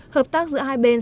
hợp tác giữa hai bên